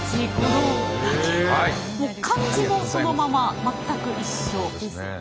もう漢字もそのまま全く一緒ですよね。